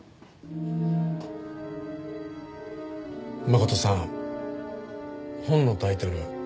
真琴さん本のタイトル